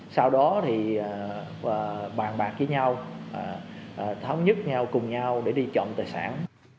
sau đó thì bàn bạc với nhau thống nhất nhau cùng nhau để đi trộm tài sản